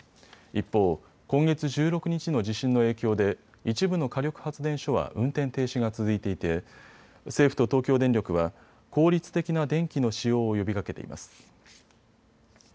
一方、今月１６日の地震の影響で一部の火力発電所は運転停止が続いていて政府と東京電力は効率的な電気の使用を呼びかけています。